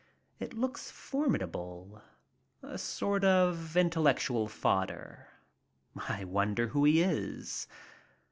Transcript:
It looks formidable, a sort of intellectual fodder. I wonder who he is.